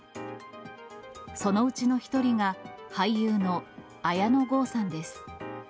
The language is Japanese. そのうちの１人が俳優の綾野剛さんです。